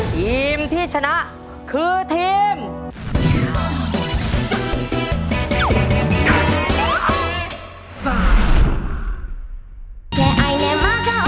ทีมที่ชนะคือทีม